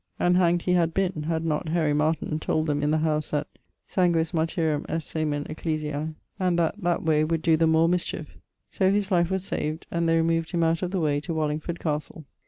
And hangd he had been, had not Harry Martyn told them in the house that Sanguis martyrum est semen ecclesiae, and that that way would doe them more mischiefe. So his life was saved, and they removed him out of the way to Wallingford Castle.